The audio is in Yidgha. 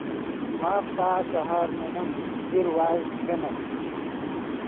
ماف تا سحر نے نیم دیر وائس چے کینے